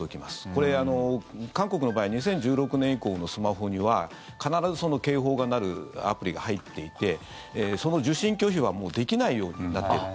これ、韓国の場合２０１６年以降のスマホには必ず、その警報が鳴るアプリが入っていてその受信拒否はもうできないようになっている。